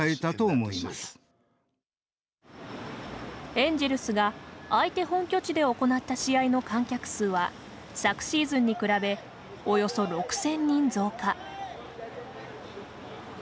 エンジェルスが相手本拠地で行った試合の観客数は昨シーズンに比べおよそ６０００人増加。